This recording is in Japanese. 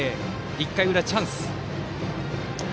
１回裏、チャンス。